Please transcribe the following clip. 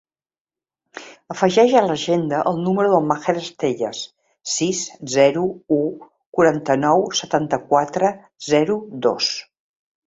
Afegeix a l'agenda el número del Maher Estelles: sis, zero, u, quaranta-nou, setanta-quatre, zero, dos.